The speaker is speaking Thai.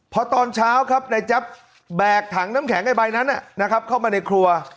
พอตอนเช้าครับนายแจ๊บแบกถังน้ำแข็งไอ้ใบนั้นนะครับเข้ามาในครัว